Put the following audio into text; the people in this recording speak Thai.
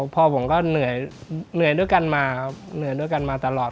พ่อผมก็เหนื่อยด้วยกันมาครับเหนื่อยด้วยกันมาตลอด